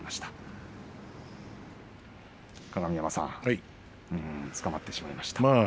鏡山さんつかまってしまいましたね。